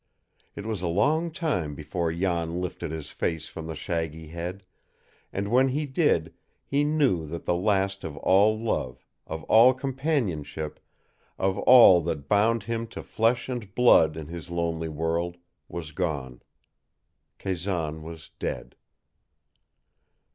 It was a long time before Jan lifted his face from the shaggy head, and when he did he knew that the last of all love, of all companionship, of all that bound him to flesh and blood in his lonely world, was gone. Kazan was dead.